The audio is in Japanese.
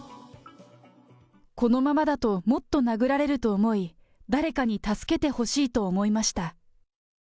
このままだともっと殴られると思い、誰かに助けてほしいと思いました。